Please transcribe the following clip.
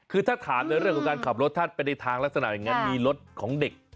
คือถ้าถามในเรื่องของการขับรถถ้าไปในทางลักษณะอย่างนั้นมีรถของเด็ก